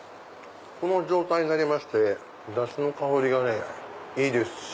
この状態になりましてダシの香りがねいいですし。